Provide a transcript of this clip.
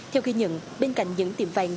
theo ghi nhận bên cạnh những tiệm vàng